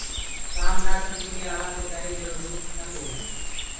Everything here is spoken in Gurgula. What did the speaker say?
ڪآم نآسمجي مي آوآ ڪي ڪري ميرو دو تينگ هوگو۔